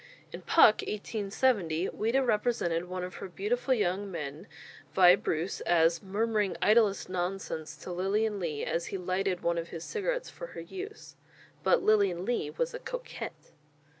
In "Puck," 1870, Ouida represented one of her beautiful young men, Vy Bruce, as "murmuring idlest nonsense to Lilian Lee, as he lighted one of his cigarettes for her use" but Lilian Lee was a cocotte.